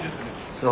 そう。